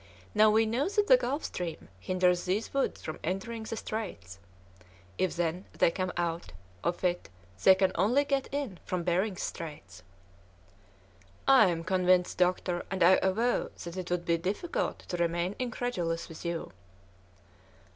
Now we know that the Gulf Stream hinders those woods from entering the Straits. If, then, they come out of it they can only get in from Behring's Straits." "I am convinced, doctor, and I avow that it would be difficult to remain incredulous with you."